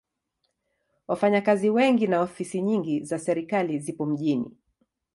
Wafanyakazi wengi na ofisi nyingi za serikali zipo mjini.